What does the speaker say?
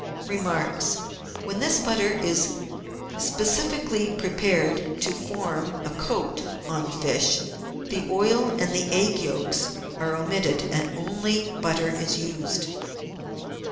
Remarks. — When this butter is specially prepared to form a. coat on fish, the oil and the egg yolks are omitted and only butter is used.